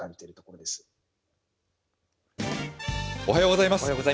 おはようございます。